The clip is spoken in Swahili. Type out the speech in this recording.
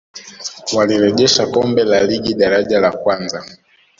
walilejesha kombe la ligi daraja la kwanza